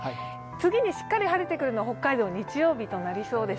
次にしっかり晴れてくるのは日曜日になりそうです。